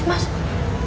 ometanya tau ga tuh